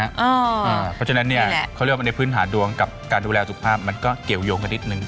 เพราะฉะนั้นเนี่ยเขาเรียกว่าในพื้นฐานดวงกับการดูแลสุขภาพมันก็เกี่ยวยงกันนิดนึง